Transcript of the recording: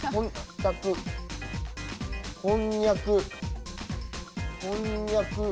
こんにゃくこんにゃく。